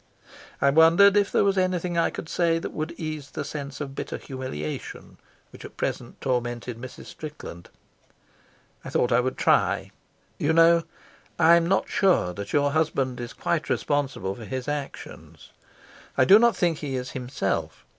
I wondered if there was anything I could say that would ease the sense of bitter humiliation which at present tormented Mrs. Strickland. I thought I would try. "You know, I'm not sure that your husband is quite responsible for his actions. I do not think he is himself.